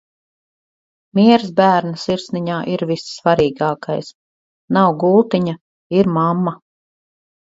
Miers bērna sirsniņā ir vissvarīgākais. Nav gultiņa, ir mamma.